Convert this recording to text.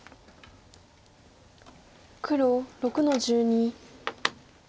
黒６の十二。